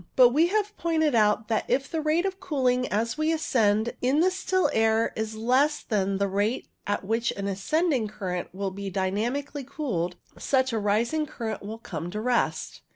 But we have pointed out that if the rate of cooling as we ascend in the still air is less than the rate at which an ascending current will be dynamically cooled, such a rising current will come to rest.